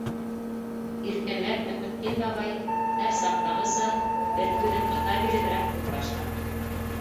Иркенләп Мөхөтдин бабай, һәр саҡтағыса, бер күҙен ҡыҫа биреберәк һүҙ башланы.